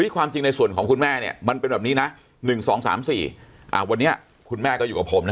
ความจริงในส่วนของคุณแม่เนี่ยมันเป็นแบบนี้นะ๑๒๓๔วันนี้คุณแม่ก็อยู่กับผมนะ